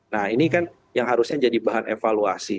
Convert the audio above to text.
nah ini kan yang harusnya jadi bahan evaluasi